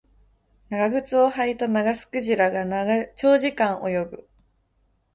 長靴を履いたナガスクジラが長時間泳ぐ